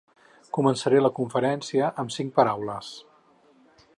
Començaré la conferència amb cinc paraules.